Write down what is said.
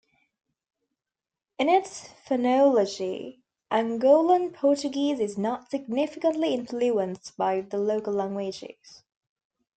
In its phonology, Angolan Portuguese is not significantly influenced by the local languages.